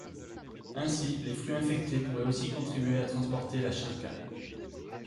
Ainsi, les fruits infectés pourraient aussi contribuer à transporter la sharka.